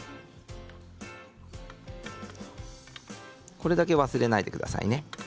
これだけ忘れないでくださいね。